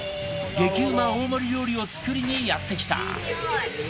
激うま大盛り料理を作りにやって来た